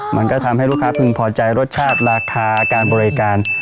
มันก็ทำให้ลูกค้าพึงพอใจรสชาติราคาการบริการ